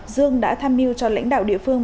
dương đã tham mưu cho lãnh đạo địa phương